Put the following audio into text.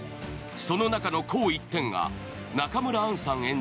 その中の紅一点が中村アンさん